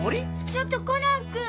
ちょっとコナンくん！